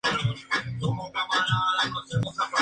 Estos fonemas se alteraron de manera sistemática y simultánea.